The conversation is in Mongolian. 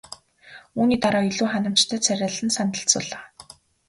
Үүний дараа илүү ханамжтай царайлан сандалд суулаа.